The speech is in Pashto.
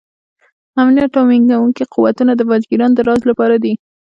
امنیت تامینونکي قوتونه د باج ګیرانو د راج لپاره دي.